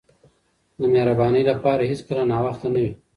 د مهربانۍ لپاره هیڅکله ناوخته نه وي.